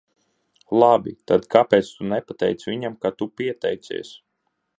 Labi, tad kāpēc tu nepateici viņam, ka tu pieteicies?